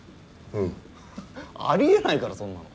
うん。ありえないからそんなの。